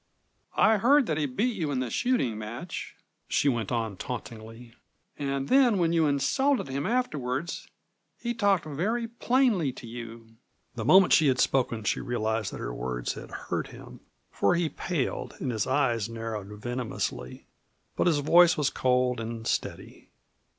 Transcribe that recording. "I heard that he beat you in the shooting match," she went on tauntingly, "and then when you insulted him afterwards, he talked very plainly to you." The moment she had spoken she realized that her words had hurt him, for he paled and his eyes narrowed venomously. But his voice was cold and steady.